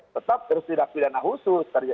tetap terus tindak pidana khusus